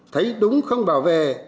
thấy đúng không bảo vệ